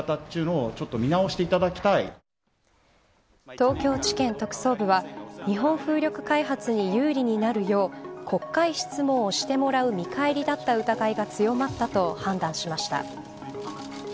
東京地検特捜部は日本風力開発に有利になるよう国会質問をしてもらう見返りだった疑いが必要が強まったと判断しました。